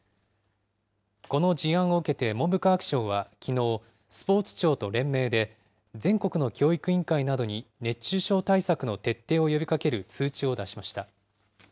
この事案を受けて文部科学省はきのう、スポーツ庁と連名で、全国の教育委員会などに熱中症対策の徹底を呼びかける通知を出しました。